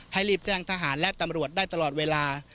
รีบแจ้งทหารและตำรวจได้ตลอดเวลา